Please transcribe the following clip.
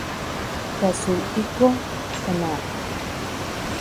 Kazuhiko Tanabe